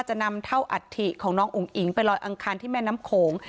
จะนำเท่าอัฐิของน้องอุ๋งอิ๋งไปลอยอังคารที่แม่น้ำโขง